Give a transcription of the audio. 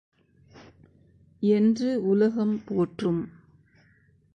என்று உலகம் போற்றும்.